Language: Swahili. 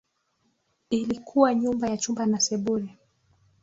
Ilikuwa nyumba ya chumba na sebule